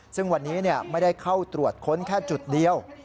ซึ่งวันนี้ไม่ได้เข้าตรวจค้นแค่จุดเดียว